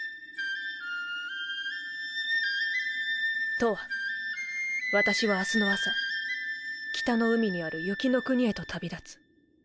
とわ私は明日の朝北の海にある雪乃国へと旅立つ。